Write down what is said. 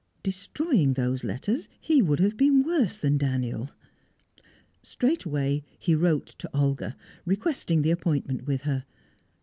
Destroying these letters, he would have been worse than Daniel. Straightway he wrote to Olga, requesting the appointment with her.